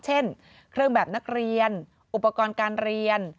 เช่นเครื่องแบบนักเรียนอุปกรณ์การเรียน